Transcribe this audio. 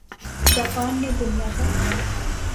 Japan نے دنیا کا